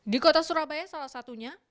di kota surabaya salah satunya